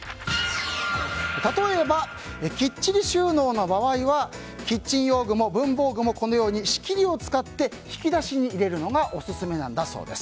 例えば、きっちり収納の場合はキッチン用具も文房具も仕切りを使って引き出しに入れるのがオススメだそうです。